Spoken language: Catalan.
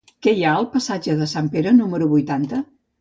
Què hi ha al passatge de Sant Pere número vuitanta?